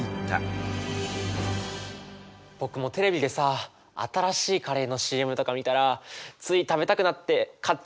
僕もテレビでさ新しいカレーのＣＭとか見たらつい食べたくなって買っちゃうんだよね。